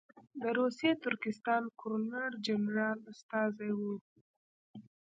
د روسي ترکستان ګورنر جنرال استازی وو.